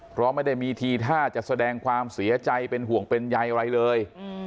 เพราะไม่ได้มีทีท่าจะแสดงความเสียใจเป็นห่วงเป็นใยอะไรเลย